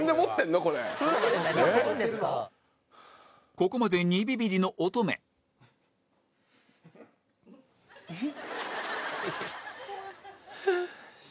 ここまで２ビビリの乙女はあ。